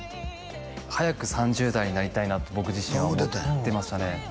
はやく３０代になりたいなって僕自身は思ってましたね